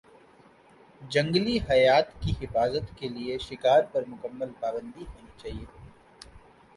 جنگلی حیات کی حفاظت کے لیے شکار پر مکمل پابندی ہونی چاہیے